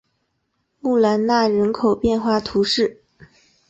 穆兰纳人口变化图示